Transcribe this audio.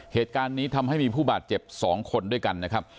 เหตุการณ์นี้ทำให้มีผู้บาดเจ็บ๒คนด้วยกันนะครับ